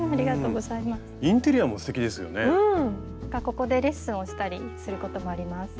ここでレッスンをしたりすることもあります。